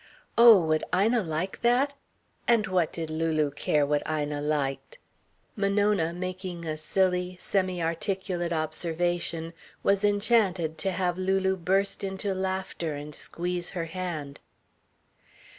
Oh, would Ina like that? And what did Lulu care what Ina liked? Monona, making a silly, semi articulate observation, was enchanted to have Lulu burst into laughter and squeeze her hand.